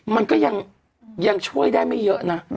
มันก็ยังช่วยได้ไม่เยอะนะ